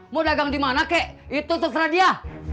mau dagang dimana kek itu seserah dia